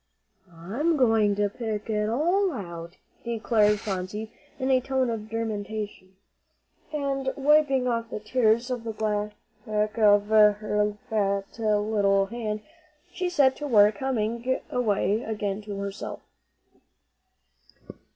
"I'm going to pick it all out," declared Phronsie in a tone of determination. And wiping off the tears on the back of her fat little hand, she set to work, humming away again to herself.